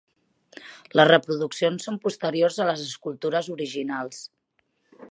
Les reproduccions són posteriors a les escultures originals.